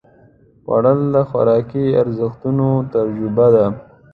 خوړل د خوراکي ارزښتونو تجربه ده